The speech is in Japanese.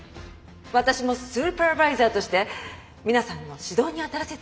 私もスーパーバイザーとして皆さんの指導に当たらせて頂きます。